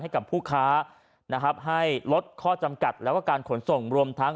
ให้กับผู้ค้านะครับให้ลดข้อจำกัดแล้วก็การขนส่งรวมทั้ง